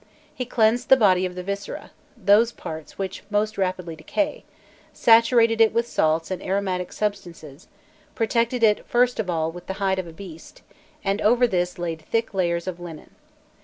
He cleansed the body of the viscera, those parts which most rapidly decay, saturated it with salts and aromatic substances, protected it first of all with the hide of a beast, and over this laid thick layers of linen.